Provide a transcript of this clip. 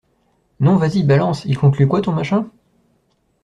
Non, vas-y balance, il conclut quoi ton machin?